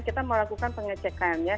kita melakukan pengecekannya